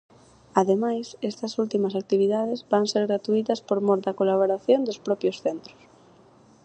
Ademais, estas últimas actividades van ser gratuítas por mor da colaboración dos propios centros.